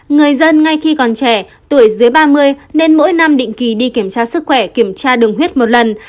người dân ngay khi còn trẻ tuổi dưới ba mươi nên mỗi năm định kỳ đi kiểm tra sức khỏe kiểm tra đường huyết một lần